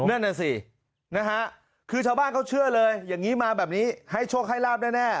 นั่นน่ะสินะฮะคือชาวบ้านเขาเชื่อเลยอย่างนี้มาแบบนี้ให้โชคให้ลาบแน่